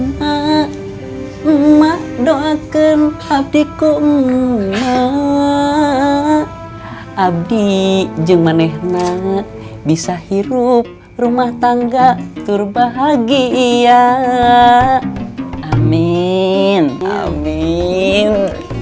mma mma doakan abdi kumma abdi jemanehna bisa hirup rumah tangga terbahagia amin amin